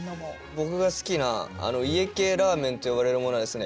僕が好きな家系ラーメンと呼ばれるものはですね